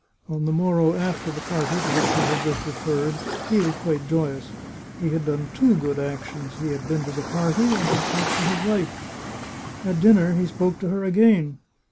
On the morrow after the party to 134 The Chartreuse of Parma which we have just referred he was quite joyous; he had done two good actions — had been to the party, and had talked to his wife. At dinner he spoke to her again.